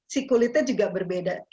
si kulitnya juga berbeda